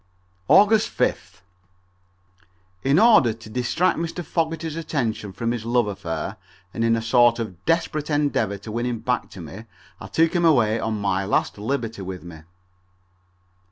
August 5th. In order to distract Mr. Fogerty's attention from his love affair and in a sort of desperate endeavor to win him back to me I took him away on my last liberty with me.